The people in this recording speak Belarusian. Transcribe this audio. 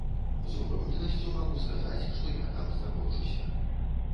З упэўненасцю магу сказаць, што я там знаходжуся.